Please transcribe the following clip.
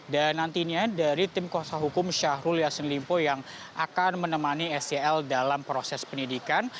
dan nantinya dari tim kuasa hukum syahrul yassin limpo yang akan menemani ecl dalam proses penyidikan